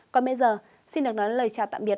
còn bây giờ xin được nói lời chào tạm biệt